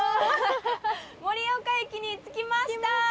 盛岡駅に着きました！